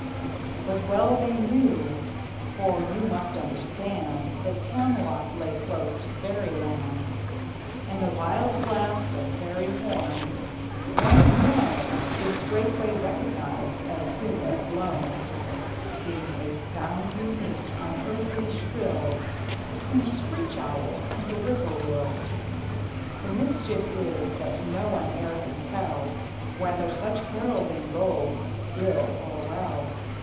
But well they knew; for you must understand That Camelot lay close to Fairyland, And the wild blast of fairy horns, once known, Is straightway recognized as soon as blown, Being a sound unique, unearthly, shrill, Between a screech owl and a whip poor will. The mischief is, that no one e'er can tell Whether such heralding bodes ill or well!